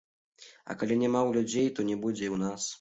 А калі няма ў людзей, то не будзе і ў нас.